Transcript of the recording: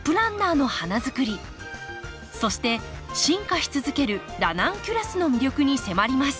そして進化し続けるラナンキュラスの魅力に迫ります